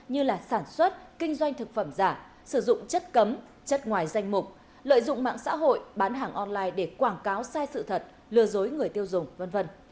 như là sản xuất kinh doanh thực phẩm giả sử dụng chất cấm chất ngoài danh mục lợi dụng mạng xã hội bán hàng online để quảng cáo sai sự thật lừa dối người tiêu dùng v v